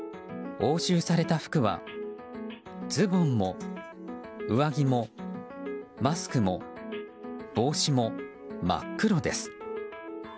押収された服はズボンも上着もマスクも帽子もまっ黒です。